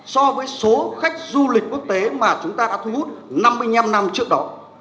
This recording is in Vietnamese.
so với số khách du lịch quốc tế mà chúng ta đã thu hút năm mươi năm năm trước đó